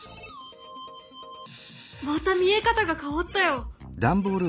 また見え方が変わったよ。